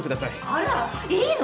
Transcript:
あらいいの？